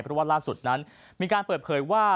เพราะว่าล่าสุดนั้นมีการเปิดเผยว่า